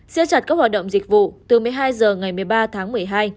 xếp chặt các hoạt động dịch vụ từ một mươi hai h ngày một mươi ba tháng một mươi hai